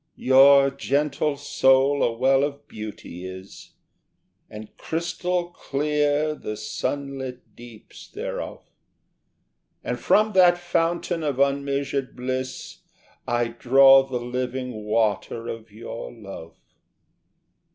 Your gentle soul a well of beauty is, And crystal clear the sunlit deeps thereof; And from that fountain of unmeasured bliss I draw the living water of your love.